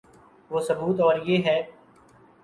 وہ ثبوت اور یہ ہے۔